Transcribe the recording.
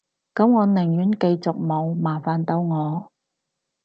噉我寧願繼續冇，麻煩到我